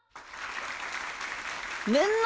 みんな！